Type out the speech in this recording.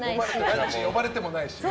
ランチに呼ばれてもないし。